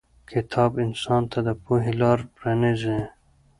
کتاب انسان ته د پوهې لارې پرانیزي.